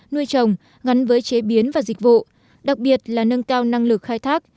nuôi trồng gắn với chế biến và dịch vụ đặc biệt là nâng cao năng lực khai thác